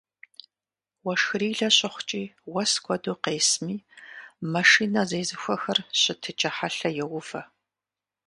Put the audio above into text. Уэшхырилэ щыхъукӀи, уэс куэду къесми, машинэ зезыхуэхэр щытыкӀэ хьэлъэ йоувэ.